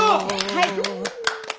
はい。